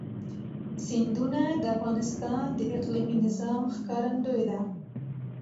سیندونه د افغانستان د اقلیمي نظام ښکارندوی ده.